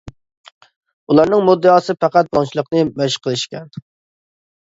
ئۇلارنىڭ مۇددىئاسى پەقەت بۇلاڭچىلىقنى «مەشىق قىلىش» ئىكەن.